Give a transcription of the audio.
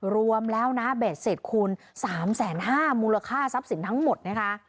รวมแล้วนะเบ็ดเสร็จคูณ๓๕๐๐มูลค่าทรัพย์สินทั้งหมดนะคะ